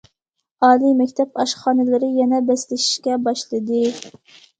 ئالىي مەكتەپ ئاشخانىلىرى يەنە بەسلىشىشكە باشلىدى.